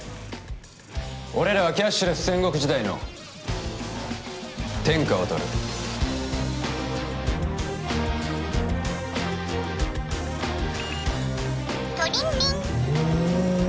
俺らはキャッシュレス戦国時代の天下を取るトリンリンおおっ！